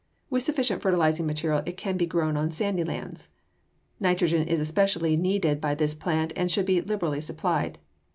With sufficient fertilizing material it can be grown on sandy lands. Nitrogen is especially needed by this plant and should be liberally supplied.